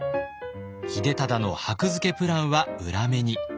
秀忠の箔付けプランは裏目に。